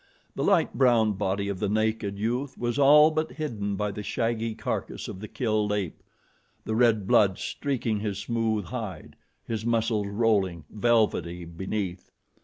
The light brown body of the naked youth, all but hidden by the shaggy carcass of the killed ape, the red blood streaking his smooth hide, his muscles rolling, velvety, beneath.